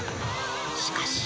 しかし。